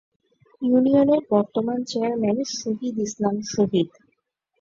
ইউনিয়নের বর্তমান চেয়ারম্যান শহিদ ইসলাম শহিদ।